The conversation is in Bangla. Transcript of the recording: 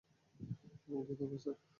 এখন কী করব, স্যার?